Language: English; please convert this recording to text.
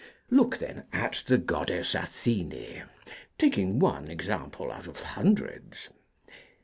Look, then, at the goddess Athene: taking one example out of hundreds.